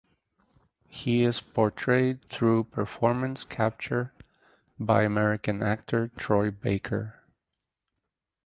He is portrayed through performance capture by American actor Troy Baker.